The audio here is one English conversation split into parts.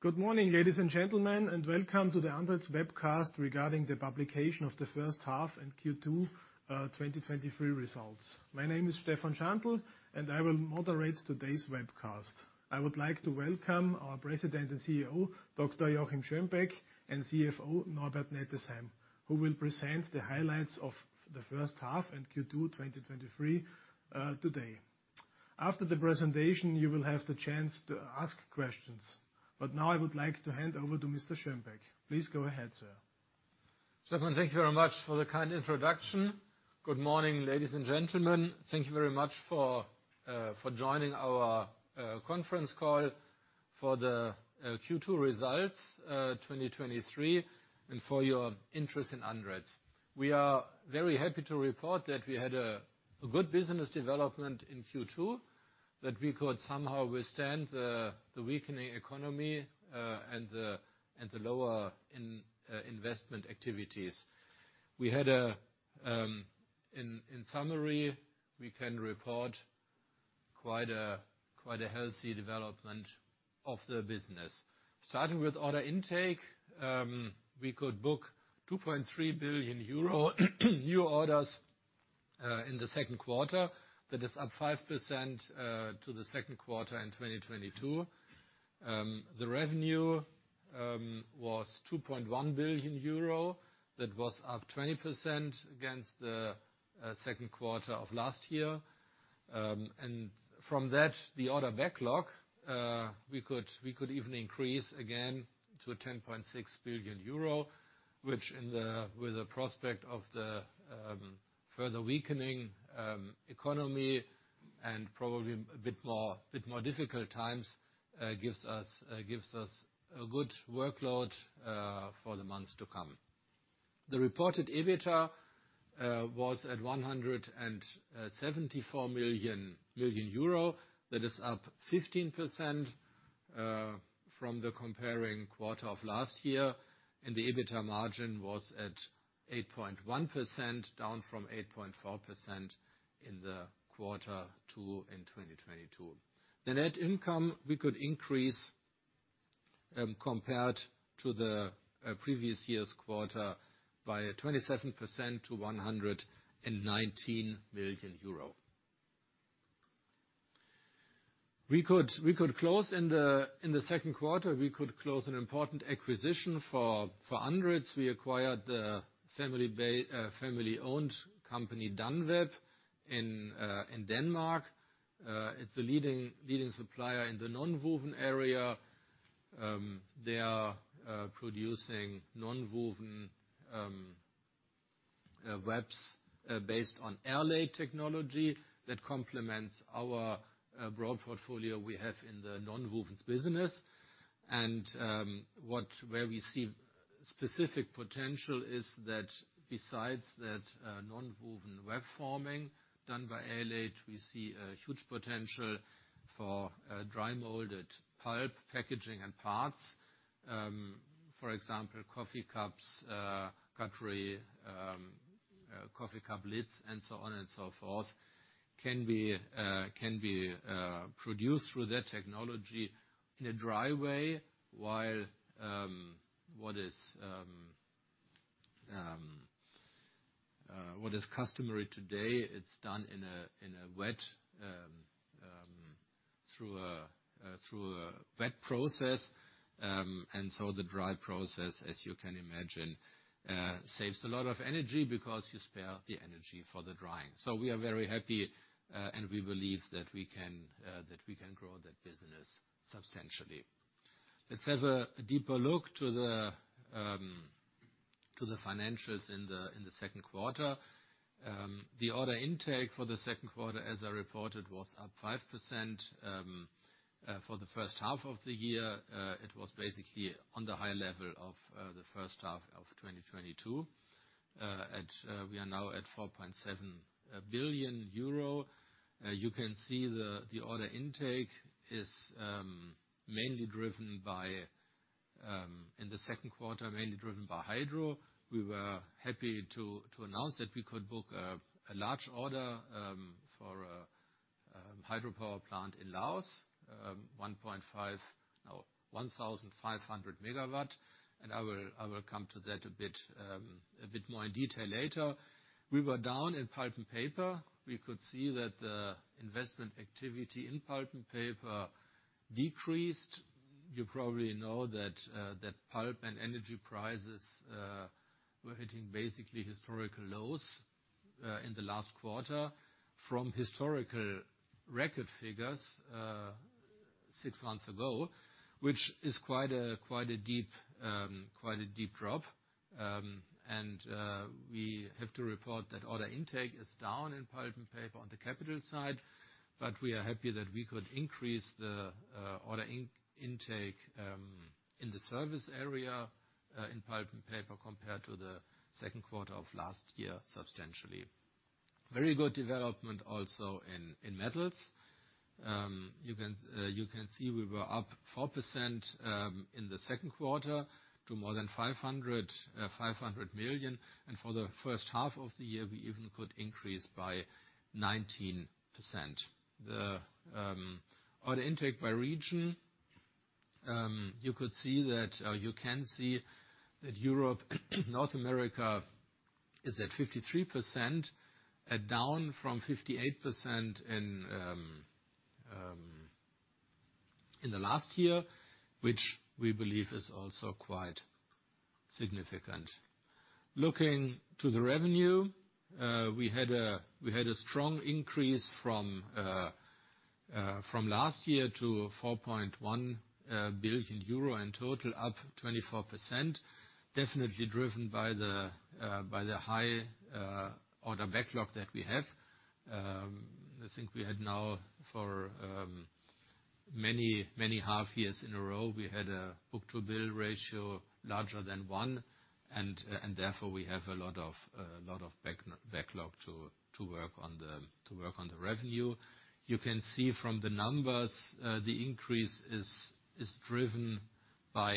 Good morning, ladies and gentlemen, welcome to the Andritz webcast regarding the publication of the first half and Q2 2023 results. My name is Stefan Schantl, I will moderate today's webcast. I would like to welcome our President and CEO, Dr. Joachim Schönbeck, and CFO, Norbert Nettesheim, who will present the highlights of the first half and Q2 2023 today. After the presentation, you will have the chance to ask questions. Now I would like to hand over to Mr. Schönbeck. Please go ahead, sir. Stefan, thank you very much for the kind introduction. Good morning, ladies and gentlemen. Thank you very much for joining our conference call for the Q2 results, 2023, and for your interest in Andritz. We are very happy to report that we had a good business development in Q2, that we could somehow withstand the weakening economy and the lower investment activities. In summary, we can report quite a healthy development of the business. Starting with order intake, we could book 2.3 billion euro new orders in the second quarter. That is up 5% to the second quarter in 2022. The revenue was 2.1 billion euro. That was up 20% against the second quarter of last year. From that, the order backlog, we could even increase again to 10.6 billion euro, which with the prospect of the further weakening economy and probably a bit more difficult times, gives us a good workload for the months to come. The reported EBITDA was at 174 million. That is up 15% from the comparing quarter of last year. The EBITDA margin was at 8.1%, down from 8.4% in the quarter 2 in 2022. The net income we could increase compared to the previous year's quarter by 27% to EUR 119 million. We could close in the second quarter, we could close an important acquisition for Andritz. We acquired the family-owned company, Dan-Web, in Denmark. It's a leading supplier in the nonwoven area. They are producing nonwoven webs based on airlaid technology that complements our broad portfolio we have in the nonwovens business. Where we see specific potential is that besides that nonwoven web forming done by airlaid, we see a huge potential for dry molded pulp packaging and parts. For example, coffee cups, cutlery, coffee cup lids, and so on and so forth, can be produced through that technology in a dry way, while what is customary today, it's done in a wet through a wet process. The dry process, as you can imagine, saves a lot of energy because you spare the energy for the drying. We are very happy, and we believe that we can grow that business substantially. Let's have a deeper look to the financials in the second quarter. The order intake for the second quarter, as I reported, was up 5% for the first half of the year. It was basically on the high level of the first half of 2022. At we are now at 4.7 billion euro. You can see the order intake is mainly driven by in the second quarter, mainly driven by Hydro. We were happy to announce that we could book a large order for a hydropower plant in Laos, 1.5, no, 1,500 megawatt, and I will come to that more in detail later. We were down in Pulp & Paper. We could see that the investment activity in Pulp & Paper decreased. You probably know that pulp and energy prices were hitting basically historical lows in the last quarter from historical record figures 6 months ago, which is quite a deep drop. We have to report that order intake is down in Pulp & Paper on the capital side, but we are happy that we could increase the order intake in the service area in Pulp & Paper, compared to the second quarter of last year, substantially. Very good development also in Metals. You can see we were up 4% in the second quarter to more than 500 million, and for the first half of the year, we even could increase by 19%. The order intake by region. You could see that, you can see that Europe, North America is at 53%, down from 58% in the last year, which we believe is also quite significant. Looking to the revenue, we had a strong increase from last year to 4.1 billion euro in total, up 24%. Definitely driven by the high order backlog that we have. I think we had now for many, many half years in a row, we had a book-to-bill ratio larger than 1, and therefore, we have a lot of backlog to work on the revenue. You can see from the numbers, the increase is driven by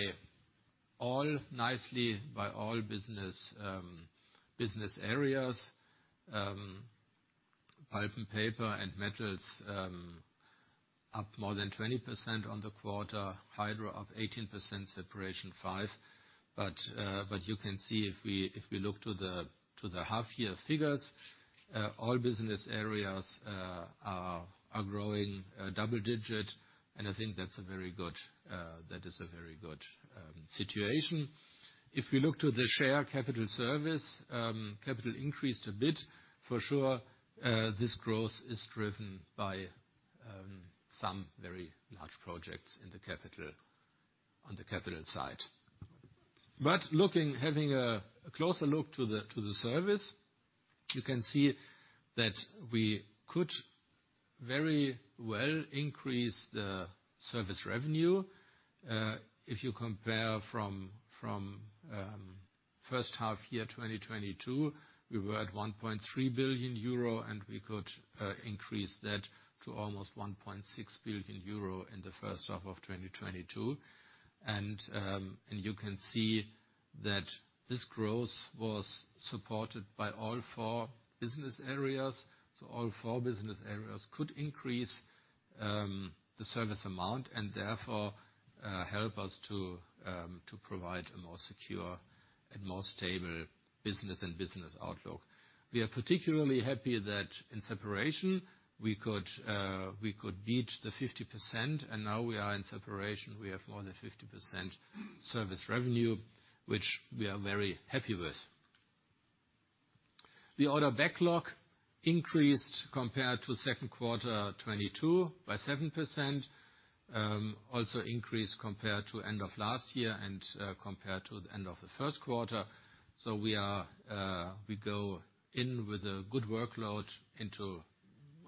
all, nicely by all business areas. Pulp and Paper and Metals up more than 20% on the quarter. Hydro up 18%. Separation 5%. You can see if we look to the half year figures, all business areas are growing double digit, and I think that is a very good situation. If we look to the share capital service, capital increased a bit. For sure, this growth is driven by some very large projects on the capital side. Looking, having a closer look to the service, you can see that we could very well increase the service revenue. Uh, if you compare from, from, um, first half year, 2022, we were at one point three billion euro, and we could, uh, increase that to almost one point six billion euro in the first half of 2022. And, um, and you can see that this growth was supported by all four business areas. So all four business areas could increase, um, the service amount, and therefore, uh, help us to, um, to provide a more secure and more stable business and business outlook. We are particularly happy that in Separation, we could, uh, we could beat the 50%, and now we are in Separation. We have more than 50% service revenue, which we are very happy with. The order backlog increased compared to second quarter 2022 by 7%. Also increased compared to end of last year and compared to the end of the first quarter. We are, we go in with a good workload into,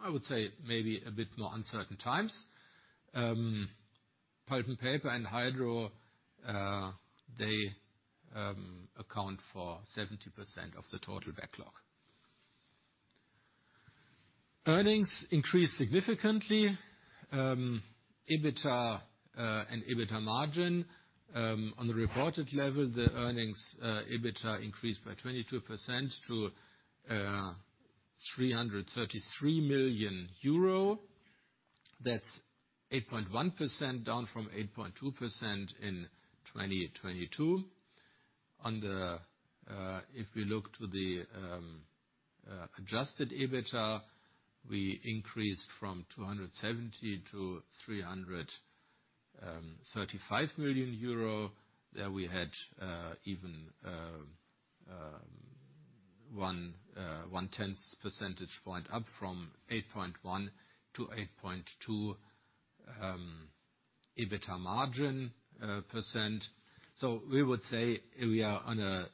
I would say, maybe a bit more uncertain times. Pulp & Paper and Hydro, they account for 70% of the total backlog. Earnings increased significantly. EBITA and EBITA margin on the reported level, the earnings, EBITA increased by 22% to EUR 333 million. That's 8.1%, down from 8.2% in 2022. If we look to the adjusted EBITA, we increased from 270 million to 335 million euro. There we had, even, 0.1 percentage point up from 8.1% to 8.2% EBITA margin percent. We would say we are on a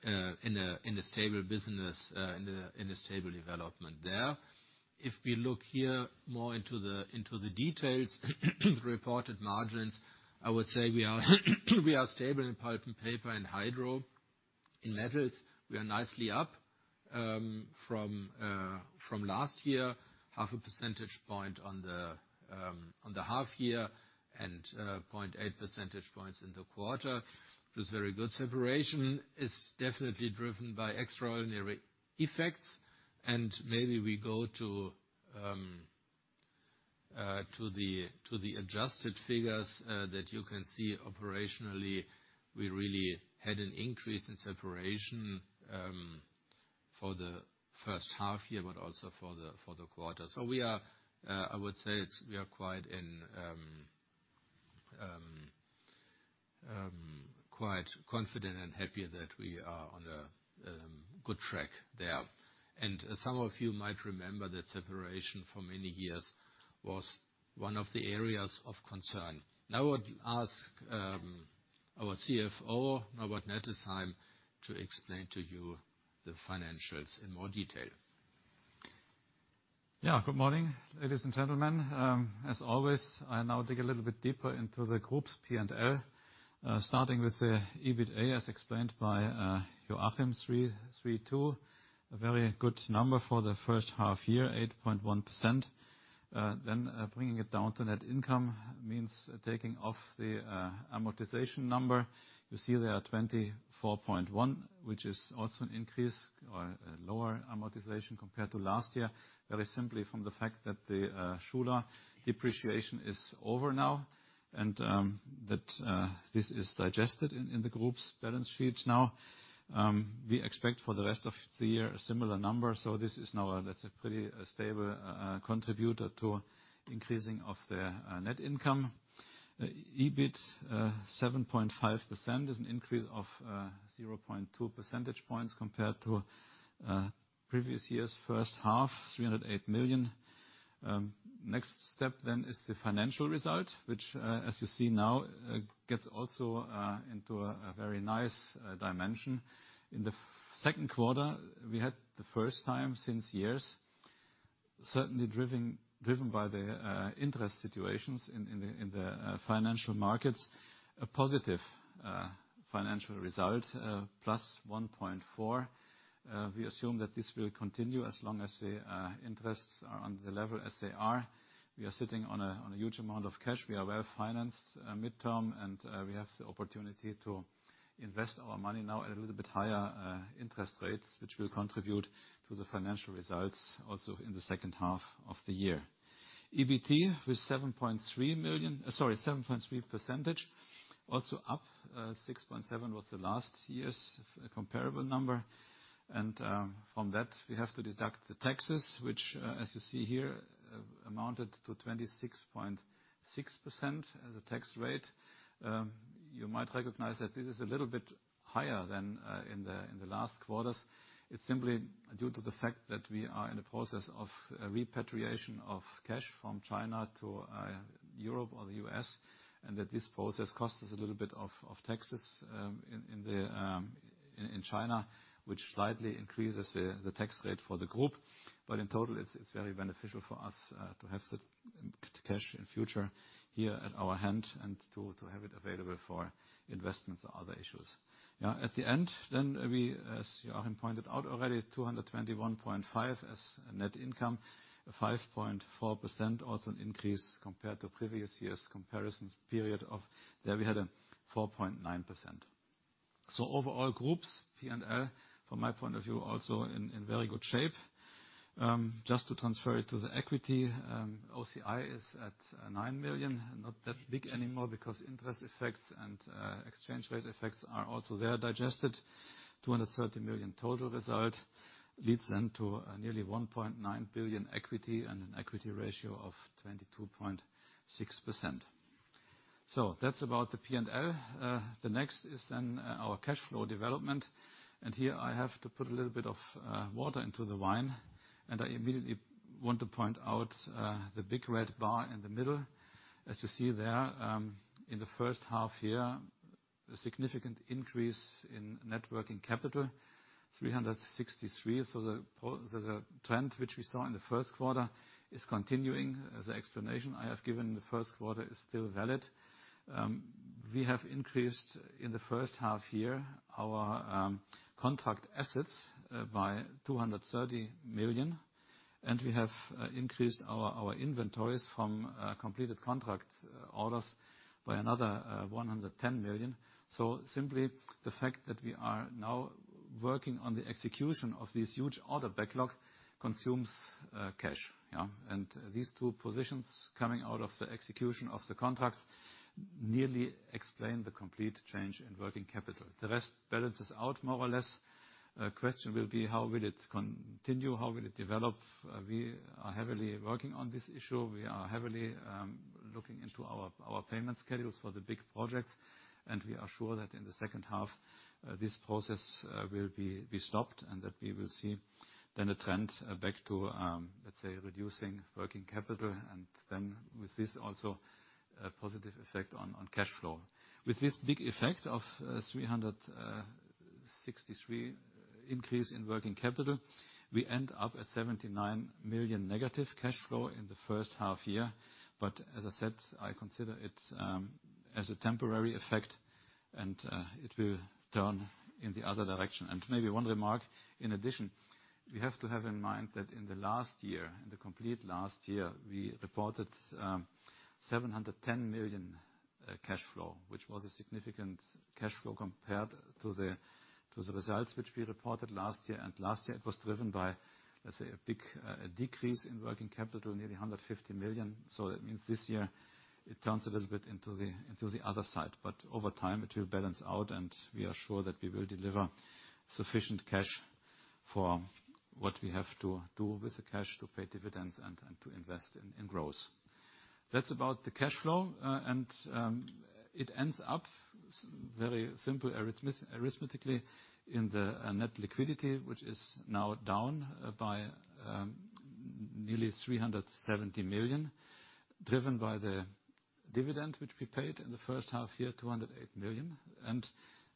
in a stable business, in a stable development there. If we look here more into the details, reported margins, I would say we are stable in Pulp & Paper and Hydro. In Metals, we are nicely up from last year, 0.5 percentage point on the half year and 0.8 percentage points in the quarter. It was very good. Separation is definitely driven by extraordinary effects. Maybe we go to the adjusted figures, that you can see operationally, we really had an increase in Separation for the first half year, but also for the quarter. We are, I would say we are quite confident and happy that we are on a good track there. Some of you might remember that Separation for many years was one of the areas of concern. I would ask our CFO, Norbert Nettesheim, to explain to you the financials in more detail. Good morning, ladies and gentlemen. As always, I now dig a little bit deeper into the group's P&L. Starting with the EBITA, as explained by Joachim, 332, a very good number for the first half year, 8.1%. Then, bringing it down to net income means taking off the amortization number. You see there are 24.1, which is also an increase or a lower amortization compared to last year, very simply from the fact that the Schuler depreciation is over now, and that this is digested in the group's balance sheets now. We expect for the rest of the year a similar number, so this is now that's a pretty stable contributor to increasing of the net income. EBIT, 7.5% is an increase of 0.2 percentage points compared to previous year's first half, 308 million. Next step then is the financial result, which, as you see now, gets also into a very nice dimension. In the second quarter, we had the first time since years, certainly driven by the interest situations in the financial markets, a positive financial result, plus 1.4. We assume that this will continue as long as the interests are on the level as they are. We are sitting on a huge amount of cash. We are well financed, mid-term, and we have the opportunity to invest our money now at a little bit higher interest rates, which will contribute to the financial results also in the second half of the year. EBT with 7.3%, also up, 6.7% was the last year's comparable number. From that, we have to deduct the taxes, which, as you see here, amounted to 26.6% as a tax rate. You might recognize that this is a little bit higher than in the last quarters. It's simply due to the fact that we are in a process of repatriation of cash from China to Europe or the U.S., and that this process costs us a little bit of taxes in China, which slightly increases the tax rate for the group. In total, it's very beneficial for us to have the cash in future here at our hand and to have it available for investments or other issues. At the end, we, as Joachim pointed out already, 221.5 as net income, 5.4%, also an increase compared to previous year's comparisons period of. There we had a 4.9%. Overall group's P&L, from my point of view, also in very good shape. Just to transfer it to the equity, OCI is at 9 million, not that big anymore because interest effects and exchange rate effects are also there digested. 230 million total result leads then to a nearly 1.9 billion equity and an equity ratio of 22.6%. That's about the P&L. The next is then our cash flow development, and here I have to put a little bit of water into the wine, and I immediately want to point out the big red bar in the middle. As you see there, in the first half year, a significant increase in net working capital, 363. The trend which we saw in the first quarter is continuing. The explanation I have given in the first quarter is still valid. We have increased in the first half year our contract assets by 230 million, and we have increased our inventories from completed contract orders by another 110 million. Simply the fact that we are now working on the execution of this huge order backlog consumes cash. These two positions coming out of the execution of the contracts nearly explain the complete change in working capital. The rest balances out more or less. A question will be, how will it continue? How will it develop? We are heavily working on this issue. We are heavily looking into our payment schedules for the big projects. We are sure that in the second half, this process will be stopped and that we will see then a trend back to, let's say, reducing net working capital and then with this, also a positive effect on cash flow. With this big effect of 363 increase in net working capital, we end up at 79 million negative cash flow in the first half year. As I said, I consider it as a temporary effect, and it will turn in the other direction. Maybe one remark in addition, we have to have in mind that in the last year, in the complete last year, we reported 710 million cash flow, which was a significant cash flow compared to the results which we reported last year. Last year, it was driven by, let's say, a big decrease in working capital, nearly 150 million. This year, it turns a little bit into the other side, but over time, it will balance out, and we are sure that we will deliver sufficient cash for what we have to do with the cash, to pay dividends and to invest in growth. That's about the cash flow, and it ends up very simple arithmetically in the net liquidity, which is now down by nearly 370 million, driven by the dividend, which we paid in the first half-year, 208 million, and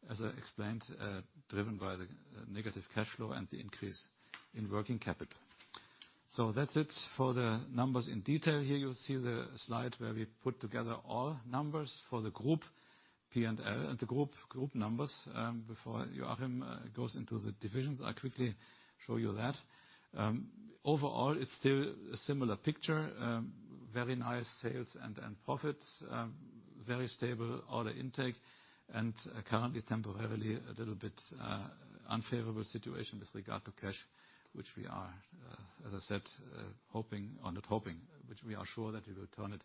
as I explained, driven by the negative cash flow and the increase in net working capital. That's it for the numbers in detail. Here you'll see the slide where we put together all numbers for the group P&L and the group numbers. Before Joachim goes into the divisions, I'll quickly show you that. Overall, it's still a similar picture, very nice sales and profits, very stable order intake, and currently, temporarily, a little bit unfavorable situation with regard to cash, which we are, as I said, hoping, or not hoping, which we are sure that we will turn it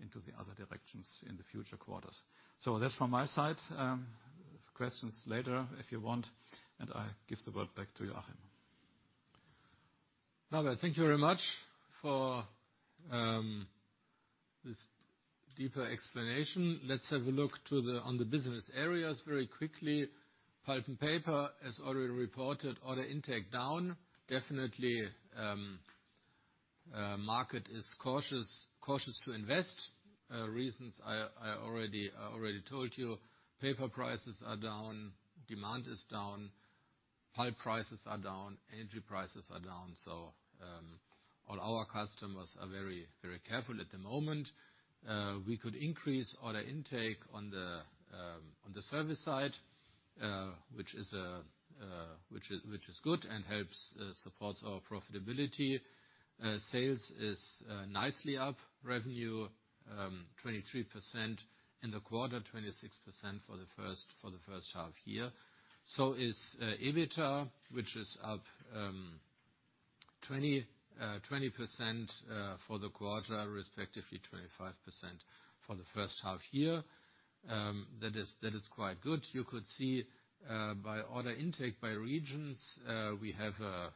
into the other directions in the future quarters. That's from my side. Questions later, if you want, and I give the word back to Joachim. Thank you very much for this deeper explanation, let's have a look to the, on the business areas very quickly. Pulp & Paper, as already reported, order intake down. Market is cautious to invest. Reasons I already told you. Paper prices are down, demand is down, pulp prices are down, energy prices are down. All our customers are very careful at the moment. We could increase order intake on the service side, which is good and helps supports our profitability. Sales is nicely up. Revenue, 23% in the quarter, 26% for the first half year. EBITA, which is up 20% for the quarter, respectively 25% for the first half year. That is quite good. You could see by order intake by regions, we have a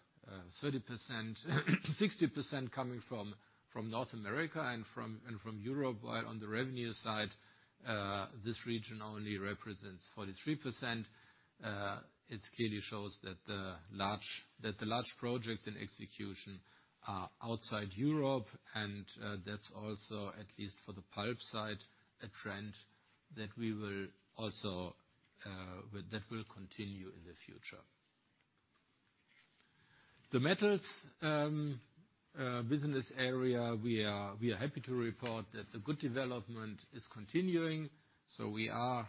30%-60% coming from North America and from Europe. While on the revenue side, this region only represents 43%. It clearly shows that the large projects in execution are outside Europe, and that's also, at least for the pulp side, a trend that we will also, well, that will continue in the future. The metals business area, we are happy to report that the good development is continuing. We are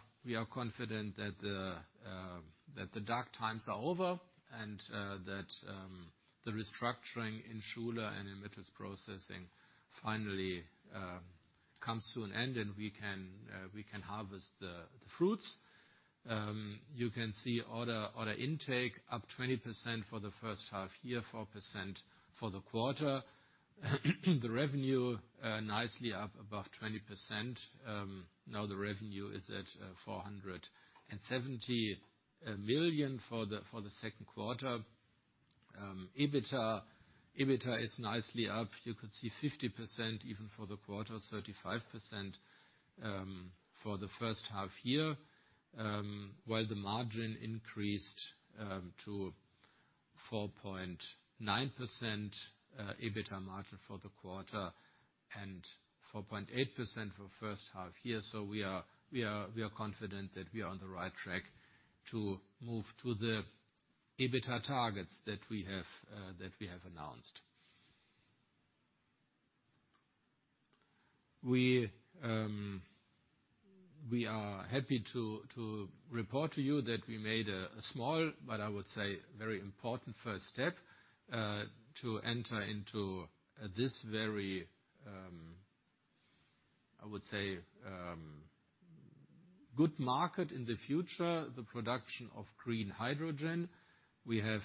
confident that the dark times are over, and that the restructuring in Schuler and in metals processing finally comes to an end, and we can harvest the fruits. You can see order intake up 20% for the first half year, 4% for the quarter. The revenue nicely up, above 20%. Now the revenue is at 470 million for the second quarter. EBITA is nicely up. You could see 50% even for the quarter, 35% for the first half year. While the margin increased to 4.9% EBITA margin for the quarter, and 4.8% for first half year. We are confident that we are on the right track to move to the EBITA targets that we have that we have announced. We are happy to report to you that we made a small, but I would say, very important first step to enter into this very, I would say, good market in the future, the production of green hydrogen. We have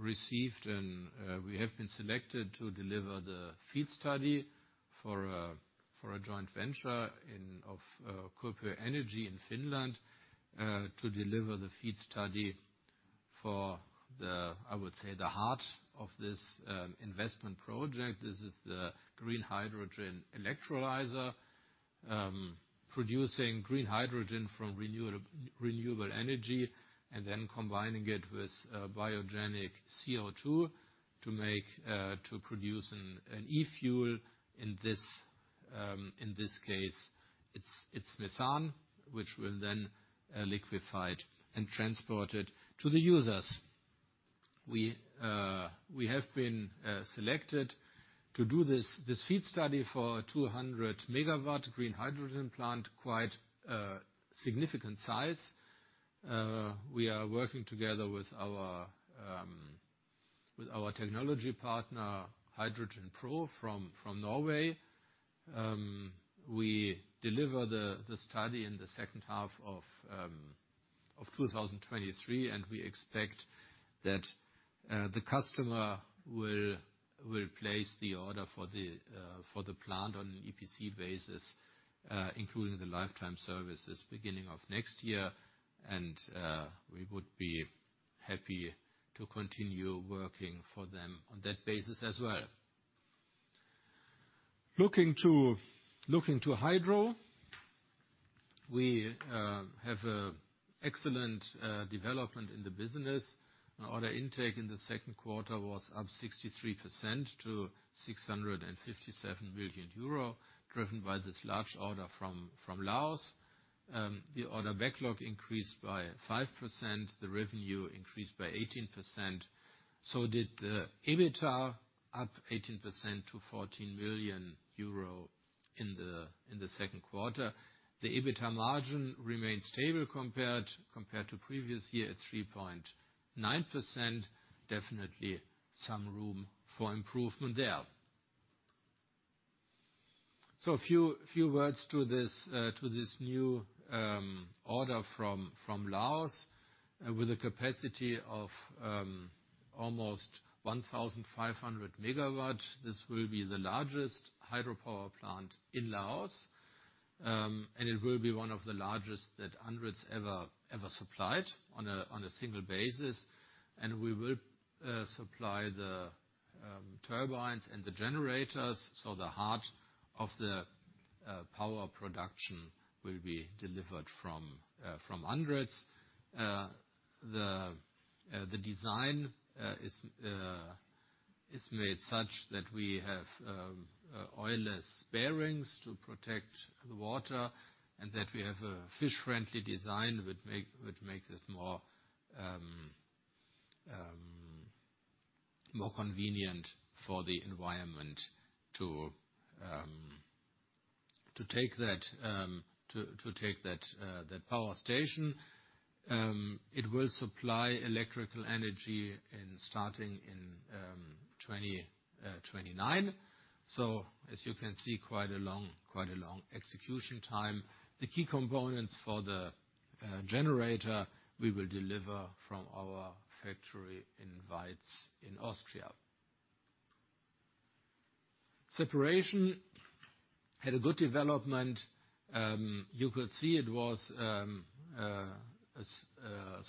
received and we have been selected to deliver the FEED study for a, for a joint venture in, of, Kuopion Energia in Finland, to deliver the FEED study for the, I would say, the heart of this investment project. This is the green hydrogen electrolyzer, producing green hydrogen from renewable energy, and then combining it with biogenic CO2 to produce an e-fuel. In this case, it's methane, which will then liquefied and transported to the users. We have been selected to do this FEED study for 200 megawatt green hydrogen plant, quite significant size. We are working together with our technology partner, HydrogenPro, from Norway. We deliver the study in the second half of 2023, and we expect that the customer will place the order for the plant on an EPC basis, including the lifetime services, beginning of next year. We would be happy to continue working for them on that basis as well. Looking to Hydro, we have an excellent development in the business. Our order intake in the second quarter was up 63% to 657 million euro, driven by this large order from Laos. The order backlog increased by 5%, the revenue increased by 18%, so did the EBITA, up 18% to 14 million euro in the second quarter. The EBITA margin remained stable compared to previous year at 3.9%. Definitely some room for improvement there. A few words to this new order from Laos. With a capacity of almost 1,500 megawatts, this will be the largest hydropower plant in Laos. It will be one of the largest that Andritz ever supplied on a single basis. We will supply the turbines and the generators, so the heart of the power production will be delivered from Andritz. The design is made such that we have oil-less bearings to protect the water, and that we have a fish-friendly design that makes it more convenient for the environment to take that power station. It will supply electrical energy in starting in 2029. As you can see, quite a long execution time. The key components for the generator, we will deliver from our factory in Weiz, in Austria. Separation had a good development. You could see it was a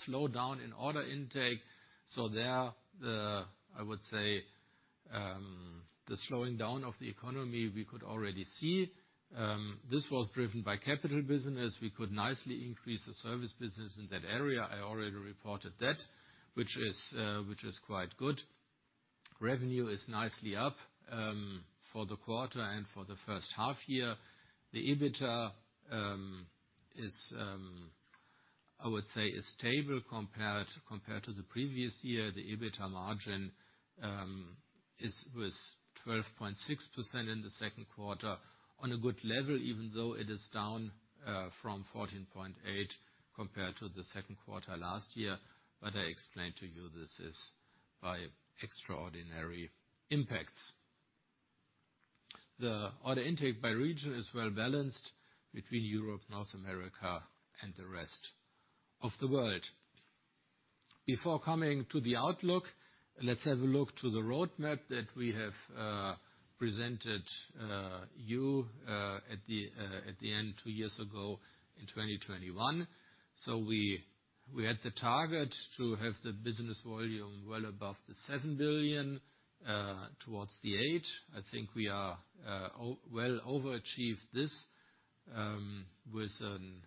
slowdown in order intake, there I would say, the slowing down of the economy, we could already see. This was driven by capital business. We could nicely increase the service business in that area. I already reported that, which is quite good. Revenue is nicely up for the quarter and for the first half year. The EBITA is I would say, is stable compared to the previous year. The EBITA margin is was 12.6% in the second quarter, on a good level, even though it is down from 14.8% compared to the second quarter last year. I explained to you, this is by extraordinary impacts. The order intake by region is well balanced between Europe, North America, and the rest of the world. Before coming to the outlook, let's have a look to the roadmap that we have presented you at the at the end, 2 years ago in 2021. We had the target to have the business volume well above 7 billion towards 8 billion. I think we are well overachieved this with an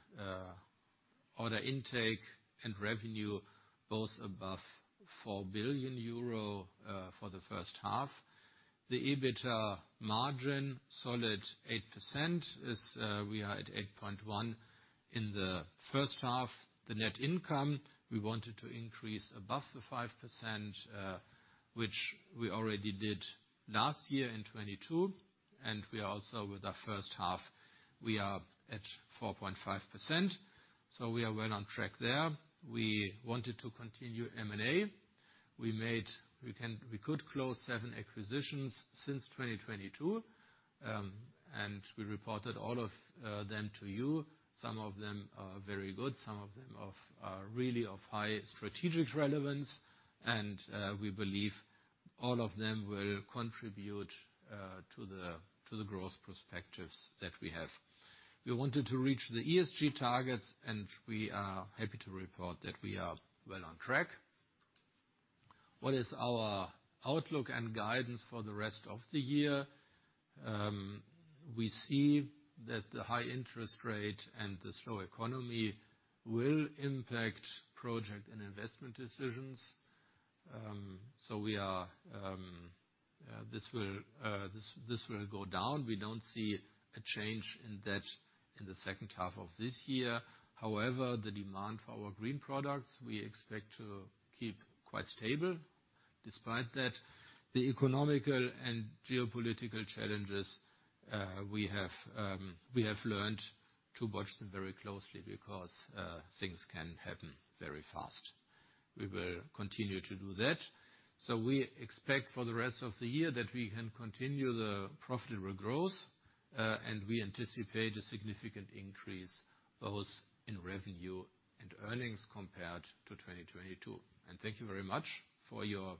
order intake and revenue both above 4 billion euro for the first half. The EBITA margin, solid 8%, is we are at 8.1% in the first half. The net income, we wanted to increase above the 5%, which we already did last year in 2022, and we are also with our first half, we are at 4.5%, so we are well on track there. We wanted to continue M&A. We could close seven acquisitions since 2022, and we reported all of them to you. Some of them are very good, some of them are really of high strategic relevance, and we believe all of them will contribute to the growth perspectives that we have. We wanted to reach the ESG targets, and we are happy to report that we are well on track. What is our outlook and guidance for the rest of the year? We see that the high interest rate and the slow economy will impact project and investment decisions. We are, this will go down. We don't see a change in that in the second half of this year. However, the demand for our green products, we expect to keep quite stable. Despite that, the economical and geopolitical challenges, we have learned to watch them very closely because things can happen very fast. We will continue to do that. We expect for the rest of the year that we can continue the profitable growth, and we anticipate a significant increase both in revenue and earnings compared to 2022. Thank you very much for your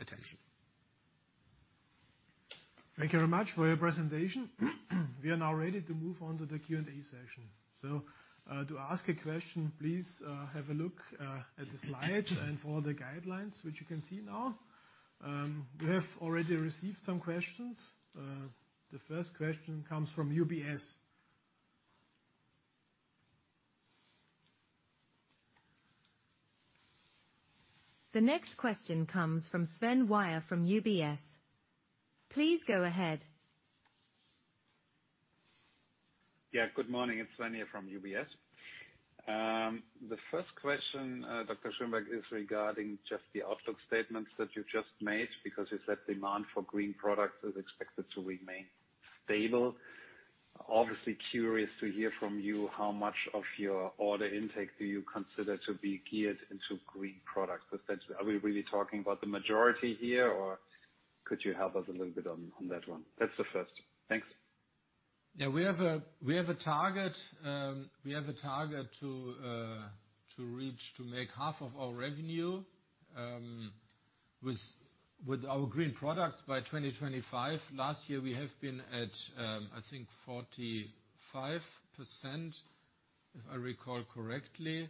attention. Thank you very much for your presentation. We are now ready to move on to the Q&A session. To ask a question, please, have a look at the slide and follow the guidelines, which you can see now. We have already received some questions. The first question comes from UBS. The next question comes from Sven Weier from UBS. Please go ahead. Yeah, good morning. It's Sven here from UBS. The first question, Dr. Schönbeck, is regarding just the outlook statements that you just made, because you said demand for green products is expected to remain stable. Obviously curious to hear from you, how much of your order intake do you consider to be geared into green products? Are we really talking about the majority here, or could you help us a little bit on that one? That's the first. Thanks. Yeah, we have a, we have a target, we have a target to reach, to make half of our revenue with our green products by 2025. Last year, we have been at, I think 45%, if I recall correctly.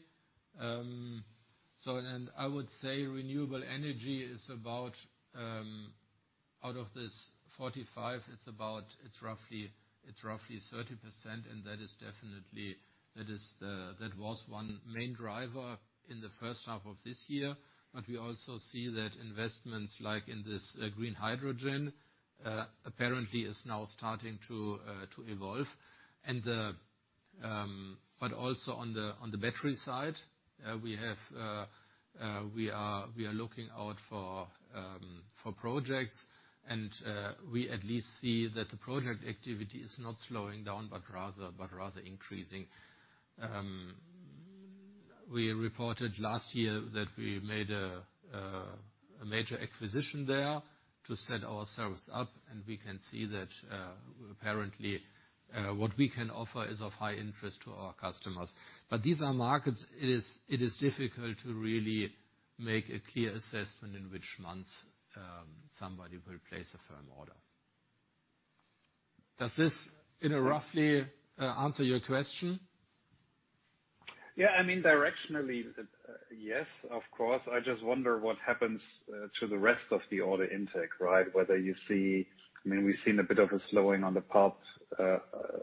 I would say renewable energy is about out of this 45, it's roughly 30%, and that is definitely, that was one main driver in the first half of this year. We also see that investments, like in this green hydrogen, apparently is now starting to evolve. Also on the battery side, we have, we are looking out for projects. We at least see that the project activity is not slowing down, but rather increasing. We reported last year that we made a major acquisition there to set ourselves up, and we can see that apparently what we can offer is of high interest to our customers. These are markets, it is difficult to really make a clear assessment in which months somebody will place a firm order. Does this, you know, roughly answer your question? Yeah, I mean, directionally, yes, of course. I just wonder what happens to the rest of the order intake, right? I mean, we've seen a bit of a slowing on the pulp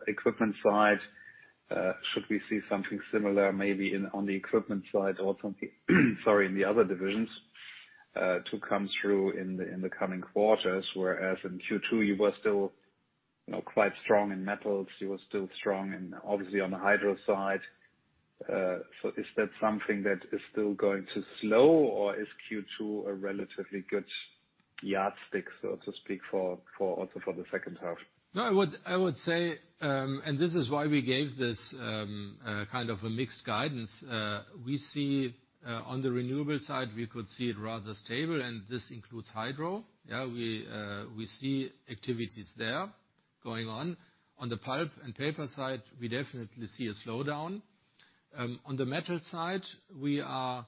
equipment side. Should we see something similar maybe on the equipment side or something, sorry, in the other divisions to come through in the coming quarters? In Q2, you were still, you know, quite strong in metals, you were still strong in, obviously, on the Hydro side. Is that something that is still going to slow, or is Q2 a relatively good yardstick, so to speak, for also for the second half? No, I would say, this is why we gave this kind of a mixed guidance. We see on the renewable side, we could see it rather stable, and this includes Hydro. Yeah, we see activities there going on. On the Pulp & Paper side, we definitely see a slowdown. On the metal side, we are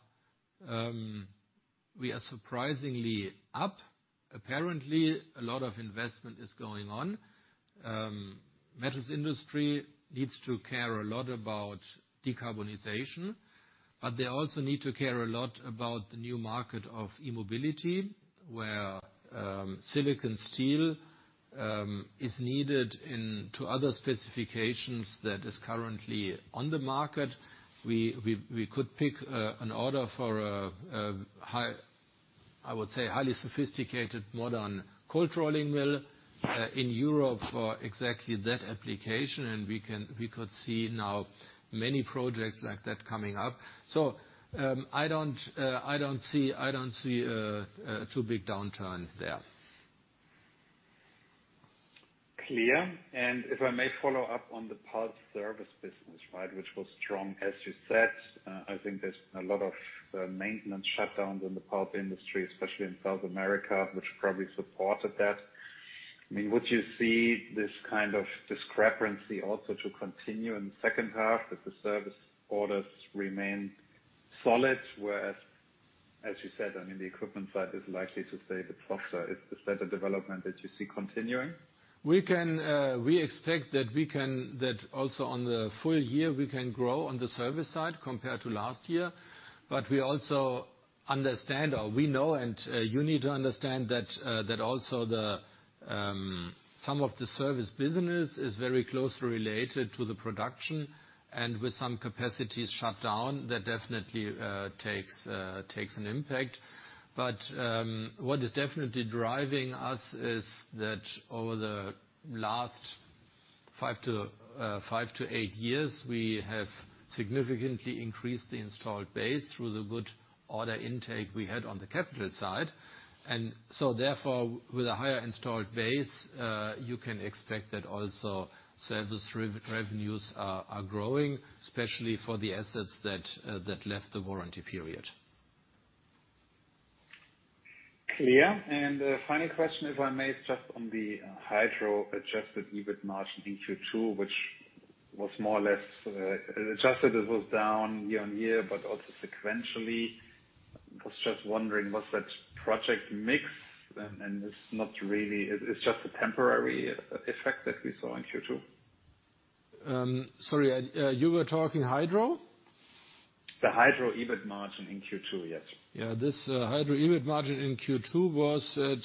surprisingly up. Apparently, a lot of investment is going on. Metals industry needs to care a lot about decarbonization, but they also need to care a lot about the new market of e-mobility, where silicon steel is needed in to other specifications that is currently on the market. We could pick an order for a high, I would say, highly sophisticated, modern cold rolling mill in Europe for exactly that application, and we could see now many projects like that coming up. I don't see a too big downturn there. Clear. If I may follow up on the pulp service business, right? Which was strong, as you said. I think there's a lot of maintenance shutdowns in the pulp industry, especially in South America, which probably supported that. I mean, would you see this kind of discrepancy also to continue in the second half, that the service orders remain solid? Whereas, as you said, I mean, the equipment side is likely to stay a bit softer. Is that a development that you see continuing? We expect that we can that also on the full year, we can grow on the service side compared to last year. We also understand, or we know, and you need to understand that also the some of the service business is very closely related to the production, and with some capacities shut down, that definitely takes an impact. What is definitely driving us is that over the last 5-8 years, we have significantly increased the installed base through the good order intake we had on the capital side. Therefore, with a higher installed base, you can expect that also service revenues are growing, especially for the assets that left the warranty period. Clear. Final question, if I may, just on the Hydro-adjusted EBIT margin in Q2, which was more or less. Adjusted, it was down year-on-year, but also sequentially. I was just wondering, was that project mix, and it's just a temporary effect that we saw in Q2? Sorry, you were talking Hydro? The Hydro EBIT margin in Q2, yes. Yeah, this Hydro EBIT margin in Q2 was at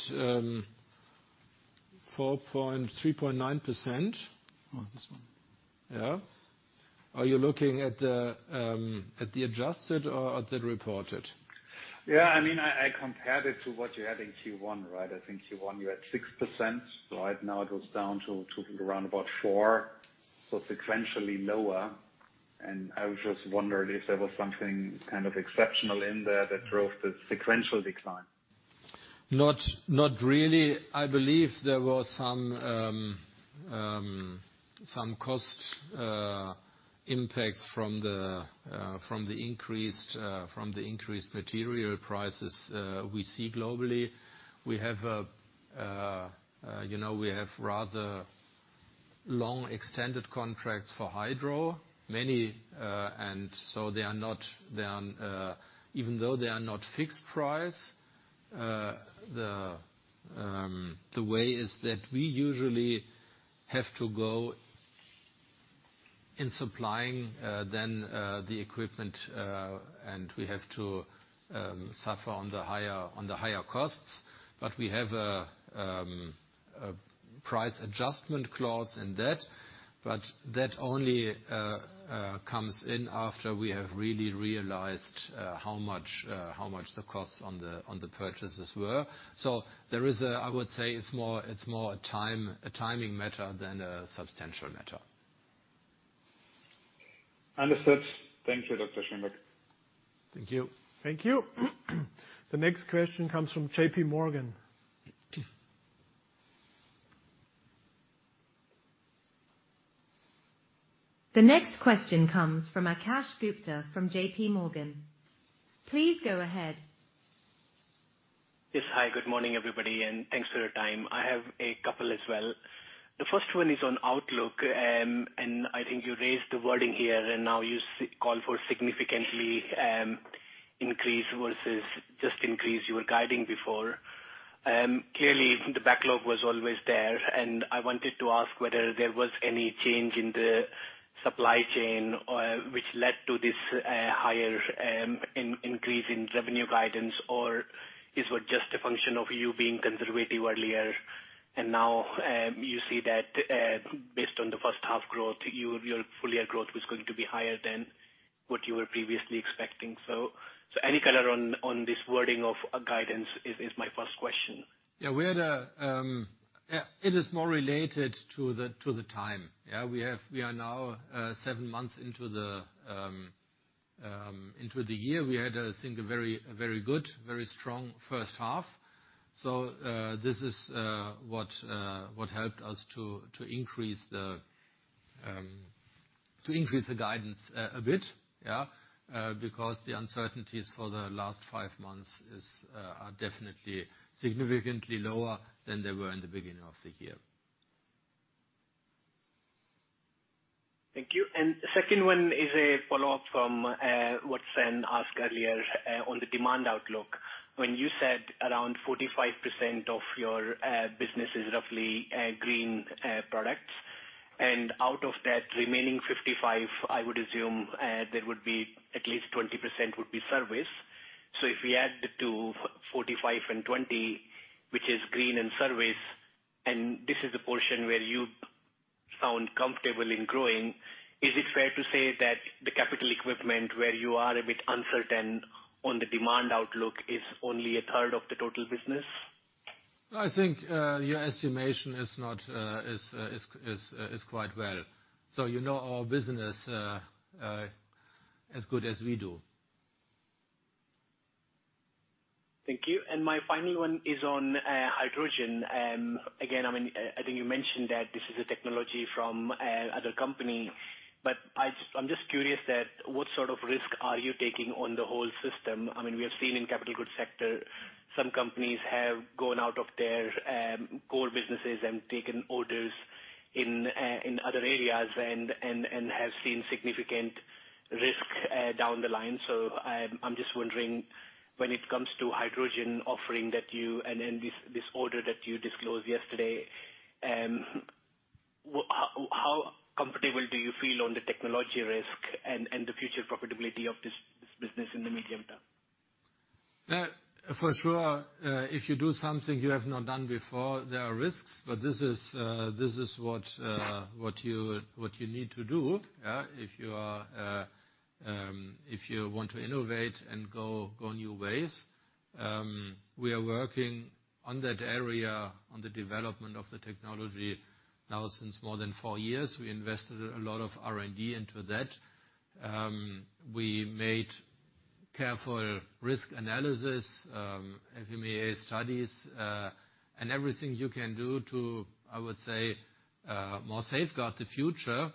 3.9%. Oh, this one. Yeah. Are you looking at the adjusted or at the reported? I mean, I compared it to what you had in Q1, right? I think Q1, you had 6%, right? It was down to around about 4%, so sequentially lower. I was just wondering if there was something kind of exceptional in there that drove the sequential decline. Not really. I believe there were some cost impacts from the increased material prices we see globally. We have, you know, we have rather long extended contracts for Hydro, many, and so they are not, they are, even though they are not fixed price, the way is that we usually have to go in supplying the equipment, and we have to suffer on the higher costs. We have a price adjustment clause in that. That only comes in after we have really realized how much the costs on the purchases were. There is I would say it's more a time, a timing matter than a substantial matter. Understood. Thank you, Dr. Schönbeck. Thank you. Thank you. The next question comes from JPMorgan. The next question comes from Akash Gupta from JPMorgan. Please go ahead. Yes. Hi, good morning, everybody, and thanks for your time. I have a couple as well. The first one is on Outlook. I think you raised the wording here. Now you call for significantly increase versus just increase you were guiding before. Clearly, the backlog was always there. I wanted to ask whether there was any change in the supply chain or which led to this higher increase in revenue guidance. Is it just a function of you being conservative earlier, and now, you see that, based on the first half growth, your full year growth was going to be higher than what you were previously expecting? Any color on this wording of a guidance is my first question. We had a, yeah, it is more related to the, to the time. We are now, seven months into the, into the year. We had, I think, a very good, very strong first half. This is what helped us to increase the guidance a bit, yeah, because the uncertainties for the last five months are definitely significantly lower than they were in the beginning of the year. Thank you. Second one is a follow-up from, what Sven asked earlier, on the demand outlook. When you said around 45% of your, business is roughly, green, products, and out of that remaining 55, I would assume, there would be at least 20% would be service. If we add the two, 45 and 20, which is green and service, and this is the portion where you sound comfortable in growing, is it fair to say that the capital equipment, where you are a bit uncertain on the demand outlook, is only a third of the total business? I think, your estimation is not, is quite well. You know our business, as good as we do. Thank you. My final one is on hydrogen. Again, I mean, I think you mentioned that this is a technology from other company, but I'm just curious that what sort of risk are you taking on the whole system? I mean, we have seen in capital goods sector, some companies have gone out of their core businesses and taken orders in other areas and have seen significant risk down the line. I'm just wondering, when it comes to hydrogen offering that you, and then this order that you disclosed yesterday, how comfortable do you feel on the technology risk and the future profitability of this business in the medium term? For sure, if you do something you have not done before, there are risks, but this is what you need to do, yeah, if you are, if you want to innovate and go new ways. We are working on that area, on the development of the technology now since more than 4 years. We invested a lot of R&D into that. We made careful risk analysis, FMEA studies, and everything you can do to, I would say, more safeguard the future.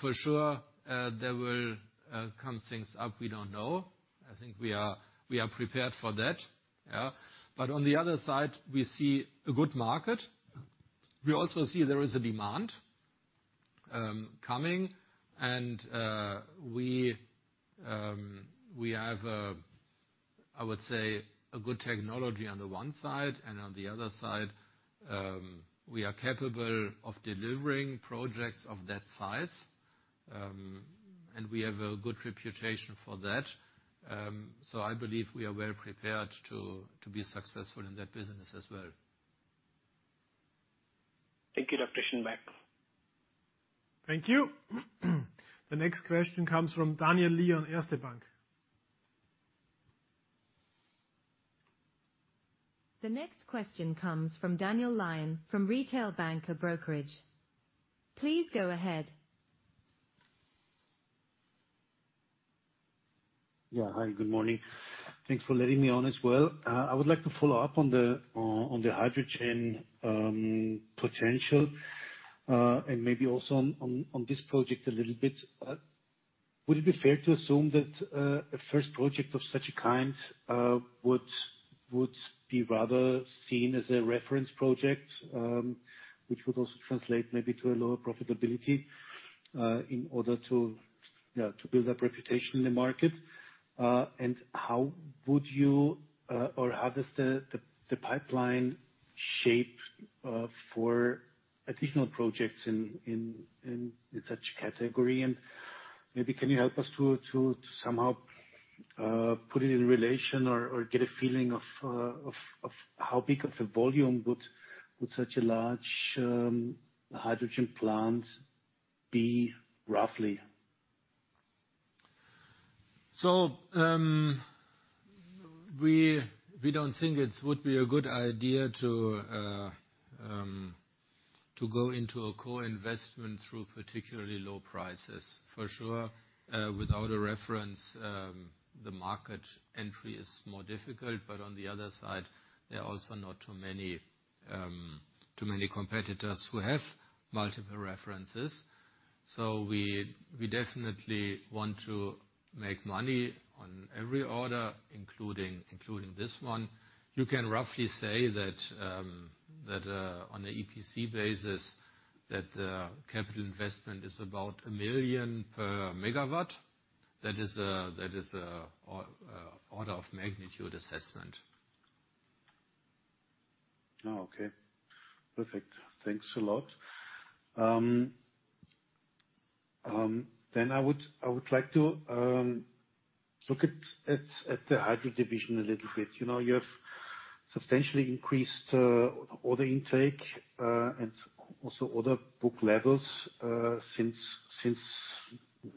For sure, there will come things up we don't know. I think we are prepared for that, yeah. On the other side, we see a good market. We also see there is a demand, coming, and, we have a, I would say, a good technology on the one side, and on the other side, we are capable of delivering projects of that size, and we have a good reputation for that. I believe we are well prepared to be successful in that business as well. Thank you, Dr. Schönbeck. Thank you. The next question comes from Daniel Lion on Erste Bank. The next question comes from Daniel Lion from Erste Bank. Please go ahead. Yeah. Hi, good morning. Thanks for letting me on as well. I would like to follow up on the hydrogen potential and maybe also on this project a little bit. Would it be fair to assume that a first project of such a kind would be rather seen as a reference project? Which would also translate maybe to a lower profitability in order to build up reputation in the market. How would you or how does the pipeline shape for additional projects in such category? Maybe can you help us to somehow put it in relation or get a feeling of how big of a volume would such a large hydrogen plant be roughly? We, we don't think it would be a good idea to go into a co-investment through particularly low prices. For sure, without a reference, the market entry is more difficult. On the other side, there are also not too many too many competitors who have multiple references. We, we definitely want to make money on every order, including this one. You can roughly say that on the EPC basis, that the capital investment is about 1 million per megawatt. That is a or order of magnitude assessment. Oh, okay. Perfect. Thanks a lot. I would like to look at the Hydro division a little bit. You know, you have substantially increased order intake and also order book levels since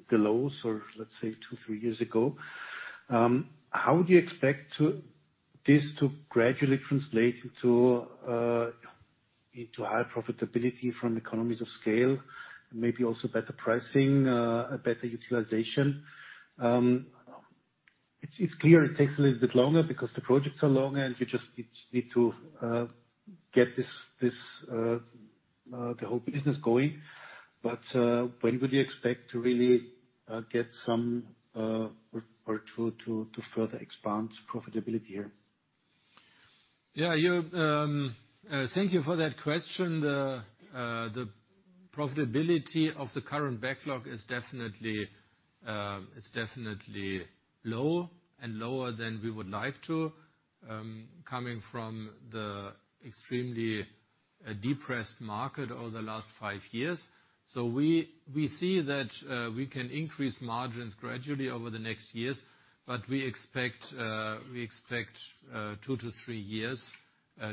the lows, or let's say two, three years ago. How do you expect this to gradually translate into higher profitability from economies of scale, maybe also better pricing, a better utilization? It's clear it takes a little bit longer because the projects are longer, and you just need to get this the whole business going. When would you expect to really get some work to further expand profitability here? Yeah, you, thank you for that question. The profitability of the current backlog is definitely, it's definitely low and lower than we would like to, coming from the extremely depressed market over the last five years. We see that we can increase margins gradually over the next years, but we expect 2-3 years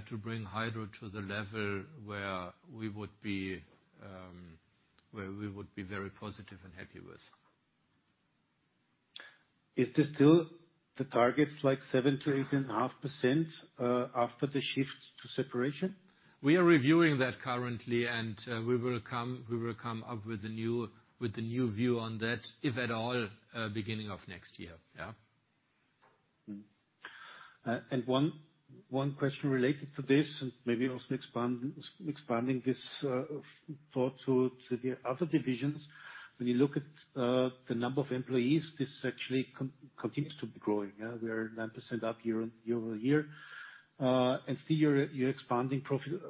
to bring Hydro to the level where we would be very positive and happy with. Is this still the targets like 7% to 8.5%, after the shift to Separation? We are reviewing that currently, and we will come up with a new view on that, if at all, beginning of next year. Yeah. One question related to this, maybe also expanding this thought to the other divisions. When you look at the number of employees, this actually continues to be growing, we are 9% up year-over-year. Still you're expanding profit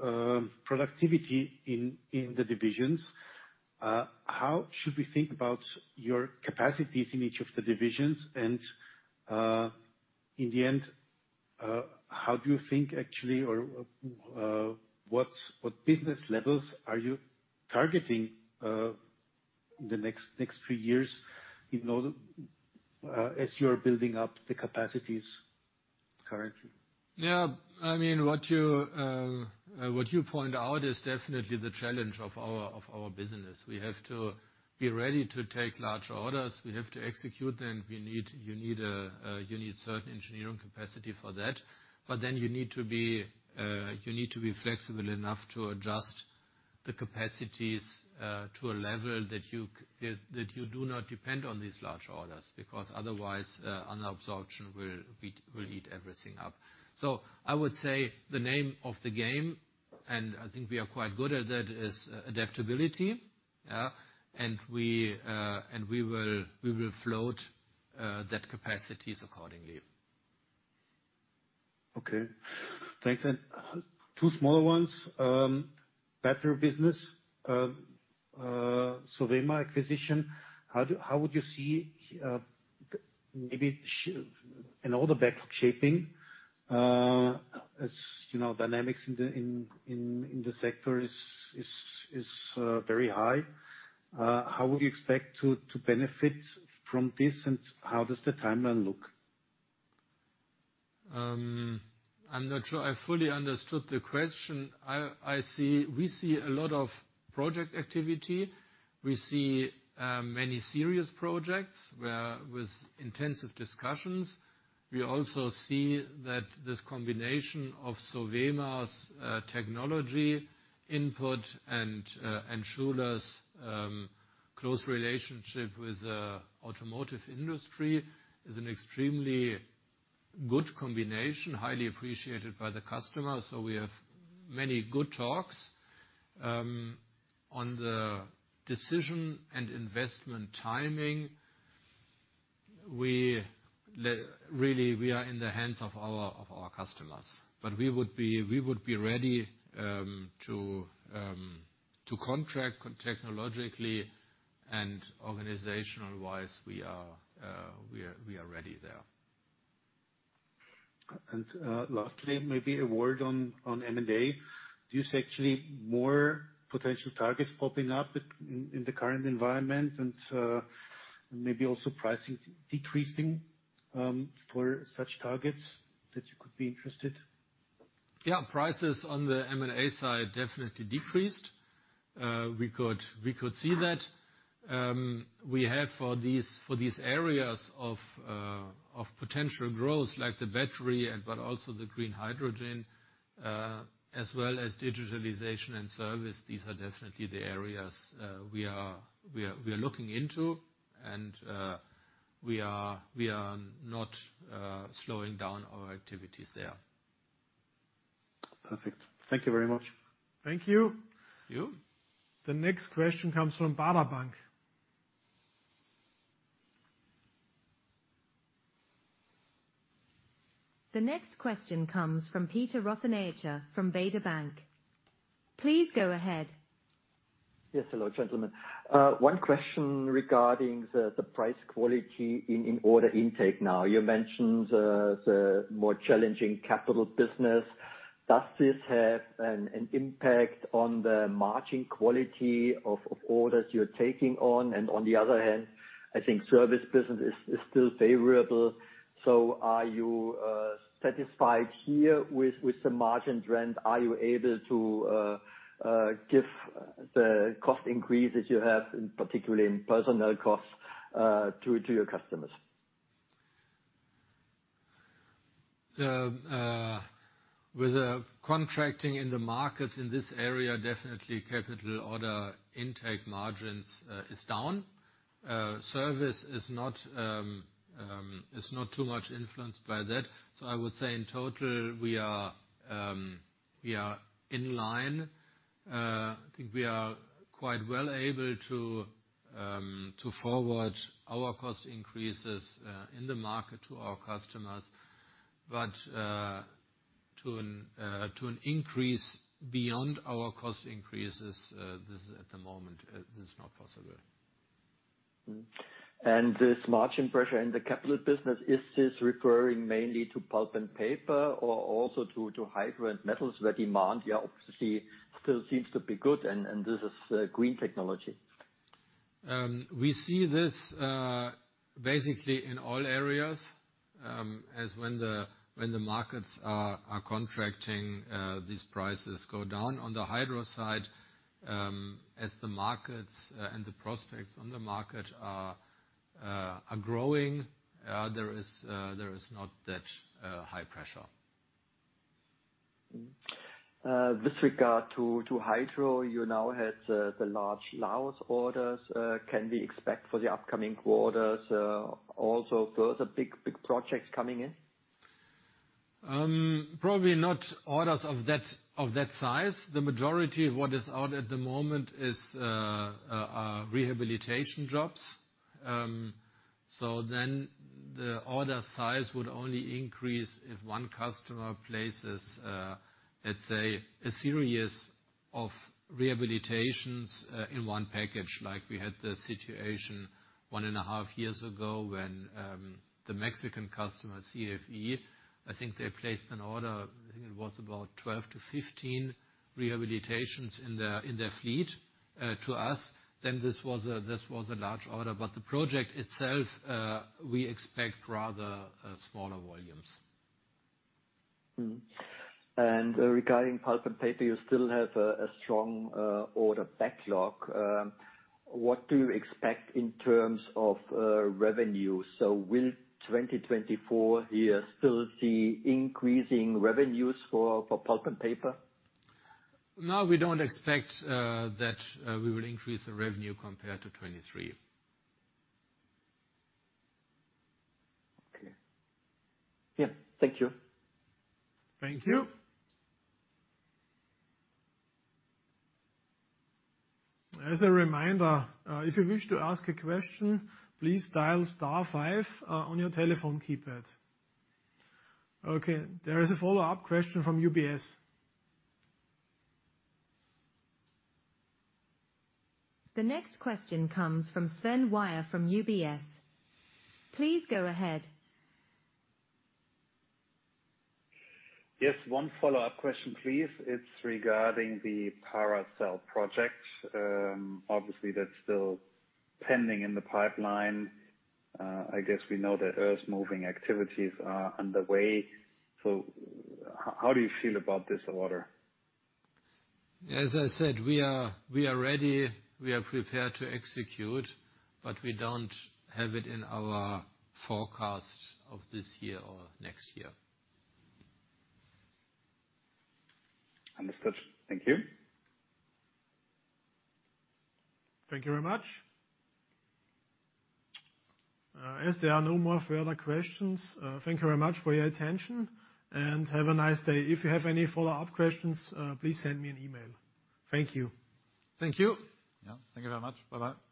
productivity in the divisions. How should we think about your capacities in each of the divisions? In the end, how do you think actually or what business levels are you targeting in the next three years in order as you are building up the capacities currently? I mean, what you point out is definitely the challenge of our, of our business. We have to be ready to take large orders, we have to execute them, you need certain engineering capacity for that. You need to be flexible enough to adjust the capacities to a level that you do not depend on these large orders, because otherwise under absorption will eat everything up. I would say the name of the game, and I think we are quite good at that, is adaptability. We will float that capacities accordingly. Thanks, then two small ones. Better business, Sovema acquisition, how would you see, maybe in all the backlog shaping, as, you know, dynamics in the sector is very high? How would you expect to benefit from this, and how does the timeline look? I'm not sure I fully understood the question. We see a lot of project activity. We see many serious projects where with intensive discussions. We also see that this combination of Sovema's technology input and Schuler's close relationship with the automotive industry is an extremely good combination, highly appreciated by the customer, so we have many good talks. On the decision and investment timing, we really, we are in the hands of our customers. We would be ready to contract technologically and organizational-wise, we are ready there. Lastly, maybe a word on M&A. Do you see actually more potential targets popping up in the current environment, and maybe also pricing decreasing for such targets that you could be interested? Prices on the M&A side definitely decreased. We could see that. We had for these areas of potential growth, like the battery and, but also the green hydrogen, as well as digitalization and service, these are definitely the areas we are looking into, and we are not slowing down our activities there. Perfect. Thank you very much. Thank you. Thank you. The next question comes from Baader Bank. The next question comes from Peter Rothenaicher from Baader Bank. Please go ahead. Hello, gentlemen. One question regarding the price quality in order intake now. You mentioned the more challenging capital business. Does this have an impact on the margin quality of orders you're taking on? On the other hand, I think service business is still favorable. Are you satisfied here with the margin trend? Are you able to give the cost increases you have, in particularly in personnel costs, to your customers? With contracting in the markets in this area, definitely capital order intake margins is down. Service is not too much influenced by that. I would say in total, we are in line. I think we are quite well able to forward our cost increases in the market to our customers, but to an increase beyond our cost increases, this is at the moment not possible. Mm-hmm. This margin pressure in the capital business, is this referring mainly to Pulp & Paper, or also to Hydro and Metals, where demand here, obviously, still seems to be good, and this is green technology? We see this basically in all areas, as when the markets are contracting, these prices go down. On the Hydro side, as the markets and the prospects on the market are growing, there is not that high pressure. With regard to Hydro, you now have the large Laos orders. Can we expect for the upcoming quarters, also further big projects coming in? Probably not orders of that, of that size. The majority of what is out at the moment is rehabilitation jobs. The order size would only increase if one customer places, let's say, a series of rehabilitations in one package. Like we had the situation one and a half years ago when the Mexican customer, CFE, I think they placed an order, I think it was about 12 to 15 rehabilitations in their fleet to us, then this was a large order. The project itself, we expect rather smaller volumes. Regarding Pulp & Paper, you still have a strong order backlog. What do you expect in terms of revenue? Will 2024 year still see increasing revenues for Pulp & Paper? No, we don't expect that we will increase the revenue compared to 2023. Okay. Yeah, thank you. Thank you. As a reminder, if you wish to ask a question, please dial star five, on your telephone keypad. There is a follow-up question from UBS. The next question comes from Sven Weier from UBS. Please go ahead. Yes, one follow-up question, please. It's regarding the Paracel project. Obviously, that's still pending in the pipeline. I guess we know that earth-moving activities are underway, how do you feel about this order? As I said, we are ready, we are prepared to execute, but we don't have it in our forecast of this year or next year. Understood. Thank you. Thank you very much. As there are no more further questions, thank you very much for your attention, and have a nice day. If you have any follow-up questions, please send me an email. Thank you. Thank you. Yeah. Thank you very much. Bye-bye.